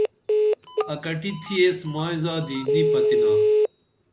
اکٹی تھی ایس مائی زادی نی پتِنا